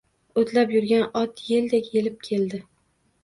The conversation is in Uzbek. O‘tlab yurgan ot yeldek yelib keldi.